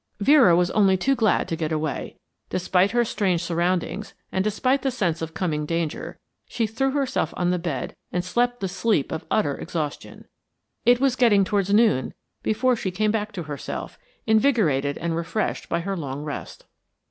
Vera was only too glad to get away. Despite her strange surroundings, and despite the sense of coming danger, she threw herself on the bed and slept the sleep of utter exhaustion. It was getting towards noon before she came back to herself, invigorated and refreshed by her long rest.